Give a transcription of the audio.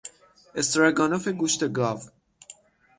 استرگنف گوشت گاو